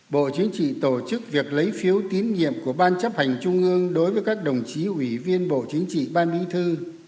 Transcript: bộ chính trị tổ chức việc lấy phiếu tín nhiệm của ban chấp hành trung ương đối với các đồng chí ủy viên bộ chính trị ban bí thư